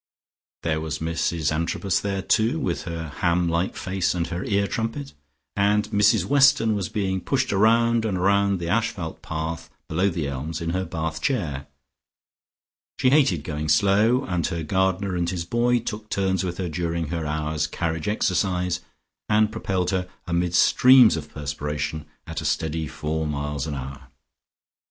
There was Mrs Antrobus there, too, with her ham like face and her ear trumpet, and Mrs Weston was being pushed round and round the asphalt path below the elms in her bath chair. She hated going slow, and her gardener and his boy took turns with her during her hour's carriage exercise, and propelled her, amid streams of perspiration, at a steady four miles an hour.